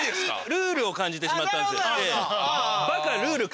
ルールを感じてしまったんですよ。